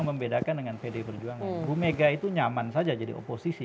nasdem sudah lama saja jadi oposisi